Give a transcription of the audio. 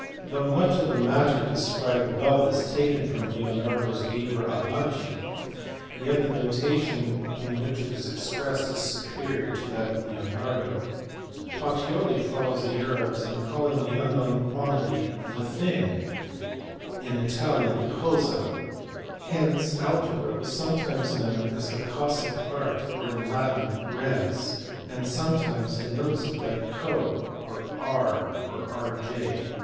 Though much of the matter described above is taken from Leonardo s Liber Abaci, yet the notation in which it is expressed is superior to that of Leonardo. Pacioli follows the Arabs in calling the unknown quantity the thing, in Italian cosa hence algebra was sometimes known as the cossic art or in Latin res, and sometimes denotes it by co or R or Rj.